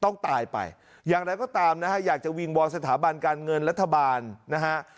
ตายไปอย่างไรก็ตามนะฮะอยากจะวิงวอนสถาบันการเงินรัฐบาลนะฮะ